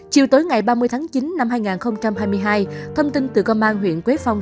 chiều tối ngày ba mươi tháng chín năm hai nghìn hai mươi hai thông tin từ công an huyện quế phong